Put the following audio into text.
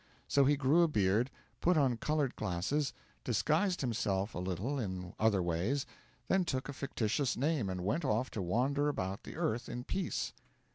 So he grew a beard, put on coloured glasses, disguised himself a little in other ways, then took a fictitious name, and went off to wander about the earth in peace.